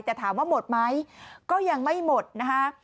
แต่ถามว่าหมดไหมก็ยังไม่หมดนะคะ